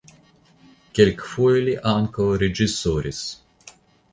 Kelkfoje li ankaŭ reĝisoris.